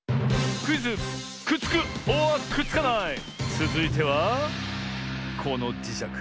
つづいてはこのじしゃく。